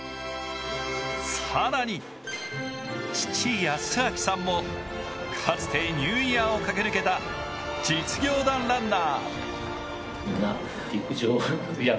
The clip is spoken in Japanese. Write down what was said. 更に、父育明さんもかつてニューイヤーを駆け抜けた実業団ランナー。